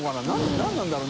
何なんだろう